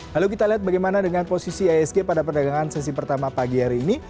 lalu kita lihat bagaimana dengan posisi isg pada perdagangan sesi pertama pagi hari ini